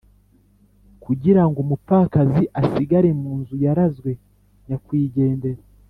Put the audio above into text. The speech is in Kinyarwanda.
kugira ngo umupfakazi asigare mu nzu yarazwe nyakwigendera.